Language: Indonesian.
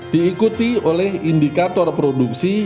diikuti oleh indikator produksi